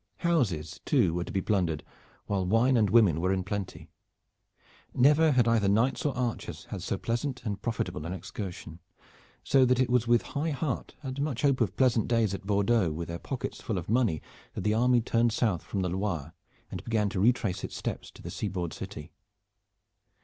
Houses, too, were to be plundered, while wine and women were in plenty. Never had either knights or archers had so pleasant and profitable an excursion, so that it was with high heart and much hope of pleasant days at Bordeaux with their pockets full of money that the army turned south from the Loire and began to retrace its steps to the seaboard city.